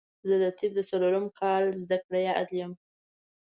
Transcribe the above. زه د طب د څلورم کال زده کړيال يم